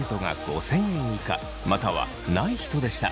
またはない人でした。